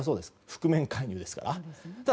覆面介入ですから。